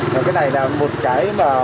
và cái này là một cái